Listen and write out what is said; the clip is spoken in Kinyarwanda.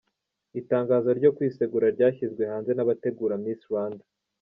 Itangazo ryo kwisegura ryashyizwe hanze n'abategura Miss Rwanda.